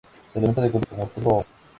Se alimentan de cultivos como trigo o maíz.